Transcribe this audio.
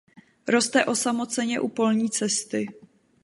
Roste osamoceně u polní cesty.